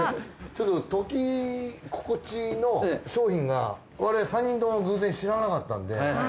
ちょっとときここちの商品が我々３人とも偶然知らなかったんで。